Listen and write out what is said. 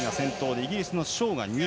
イギリスのショーが２位。